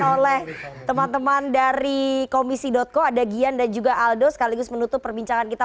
oleh teman teman dari komisi co ada gian dan juga aldo sekaligus menutup perbincangan kita